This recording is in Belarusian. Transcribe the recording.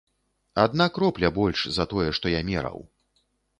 Адна кропля больш, за тое, што я мераў.